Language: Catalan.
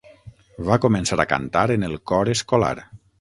Va començar a cantar en el cor escolar.